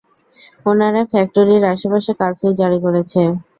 ওনারা ফ্যাক্টরির আশেপাশে কারফিউ জারি করেছে।